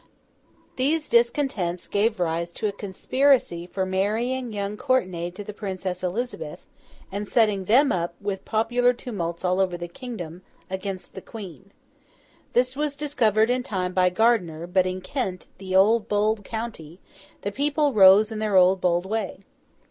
These discontents gave rise to a conspiracy for marrying young Courtenay to the Princess Elizabeth, and setting them up, with popular tumults all over the kingdom, against the Queen. This was discovered in time by Gardiner; but in Kent, the old bold county, the people rose in their old bold way.